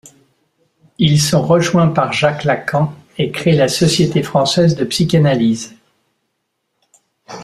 Ils sont rejoints par Jacques Lacan, et créent la Société française de psychanalyse.